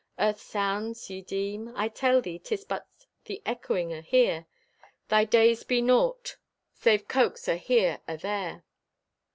Earth's sounds, ye deem? I tell thee 'tis but the echoing o' Here. Thy days be naught Save coax o' Here athere!